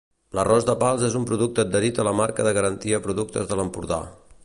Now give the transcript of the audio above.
L'arròs de Pals és un producte adherit a la Marca de garantia Productes de l'Empordà.